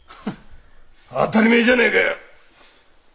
当たり前じゃねえかよ！